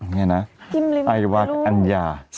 ไงนะไอวัตอัญญา